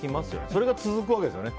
それが続くわけですよね。